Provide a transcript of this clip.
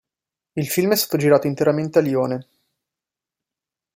Il film è stato girato interamente a Lione.